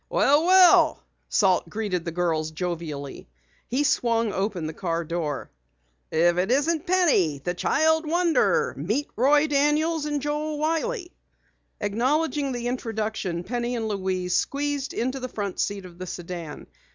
"Well, well," Salt greeted the girls jovially. He swung open the car door. "If it isn't Penny, the child wonder! Meet Roy Daniels and Joe Wiley." Acknowledging the introduction, Penny and Louise squeezed into the front seat of the sedan.